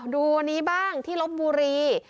ดูวันนี้บ้างที่ลบบุรี